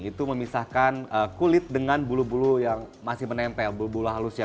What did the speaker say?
itu memisahkan kulit dengan bulu bulu yang masih menempel bulu bulu halus ya